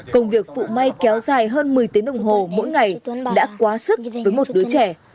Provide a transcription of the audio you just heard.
công việc phụ may kéo dài hơn một mươi tiếng đồng hồ mỗi ngày đã quá sức với một đứa trẻ